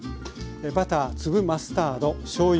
バター粒マスタードしょうゆ